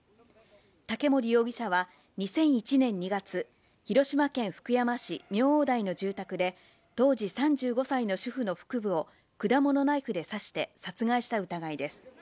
竹森容疑者は２００１年２月、広島県福山市明王台の住宅で当時３５歳の主婦の腹部を果物ナイフで刺して殺害した疑いです。